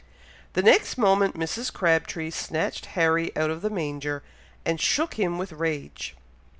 The next moment Mrs. Crabtree snatched Harry out of the manger, and shook him with rage.